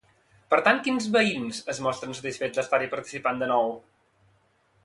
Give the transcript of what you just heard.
Per tant, quins veïns es mostren satisfets d'estar-hi participant de nou?